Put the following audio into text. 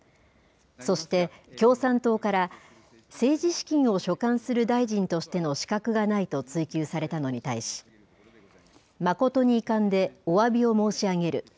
そして、共産党から、政治資金を所管する大臣としての資格がないと追及されたのに対し、誠に遺憾でおわびを申し上げる。